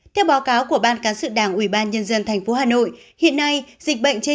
theo báo cáo của ban cán sự đảng ủy ban nhân dân tp hà nội hiện nay dịch bệnh trên